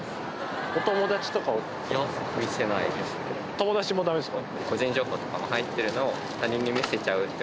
友達もダメですか？